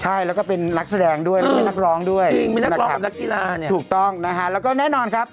ใช่แล้วก็เป็นนักแสดงด้วยแล้วก็เป็นนักร้องด้วยนะครับถูกต้องนะฮะแล้วก็แน่นอนครับ